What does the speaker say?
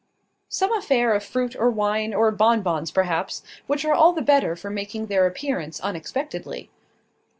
"Some affair of fruit, or wine, or bonbons, perhaps, which are all the better for making their appearance unexpectedly."